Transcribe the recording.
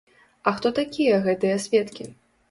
А хто такія гэтыя сведкі?